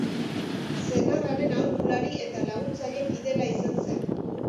Senarraren aholkulari eta laguntzaile fidela izan zen.